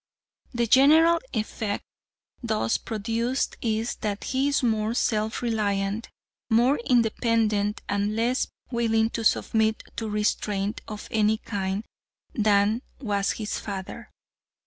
The general effect thus produced is that he is more self reliant, more independent, and less willing to submit to restraint of any kind than was his father.